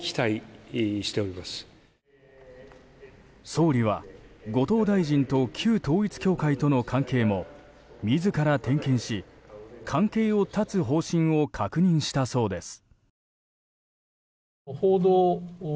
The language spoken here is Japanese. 総理は後藤大臣と旧統一教会との関係も自ら点検し、関係を断つ方針を確認したそうです。